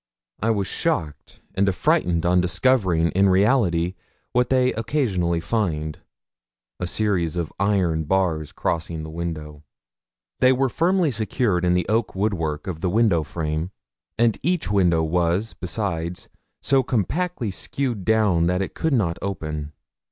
I was shocked and affrighted on discovering in reality what they occasionally find a series of iron bars crossing the window! They were firmly secured in the oak woodwork of the window frame, and each window was, besides, so compactly screwed down that it could not open.